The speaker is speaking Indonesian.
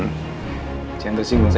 jangan tersinggung saya